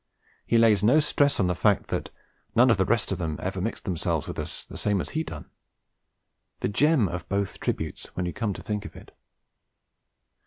He lays no stress on the fact that 'none of the rest of them ever mixed themselves with us the same as he done': the gem of both tributes, when you come to think of it.